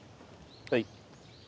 はい。